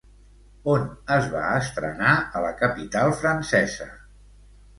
On es va estrenar a la capital francesa?